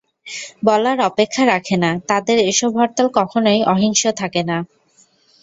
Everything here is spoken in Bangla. বলার অপেক্ষা রাখে না, তাদের এসব হরতাল কখনোই অহিংস থাকে না।